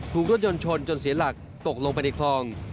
ถูกรถยนต์ชนจนเสียหลักตกลงไปในคลอง